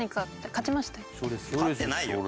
勝ってないよ。